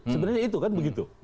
sebenarnya itu kan begitu